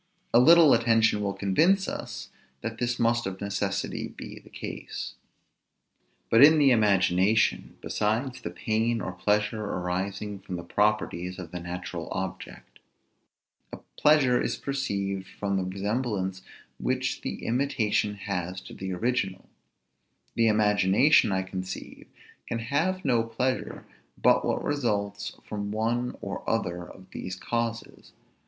A little attention will convince us that this must of necessity be the case. But in the imagination, besides the pain or pleasure arising from the properties of the natural object, a pleasure is perceived from the resemblance which the imitation has to the original: the imagination, I conceive, can have no pleasure but what results from one or other of these causes.